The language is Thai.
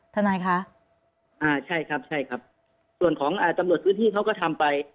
ทนายคะอ่าใช่ครับใช่ครับส่วนของอ่าตำรวจพื้นที่เขาก็ทำไป